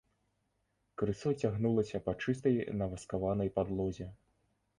Крысо цягнулася па чыстай наваскаванай падлозе.